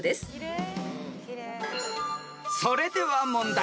［それでは問題］